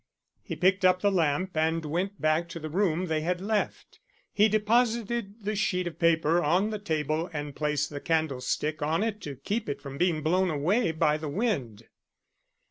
He picked up the lamp and went back to the room they had left. He deposited the sheet of paper on the table and placed the candlestick on it to keep it from being blown away by the wind.